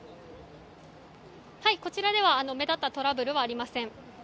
こちらでは目立ったトラブルはありません。